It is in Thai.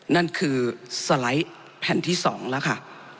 นั่นคือสไลด์แผ่นที่๒แล้วค่ะ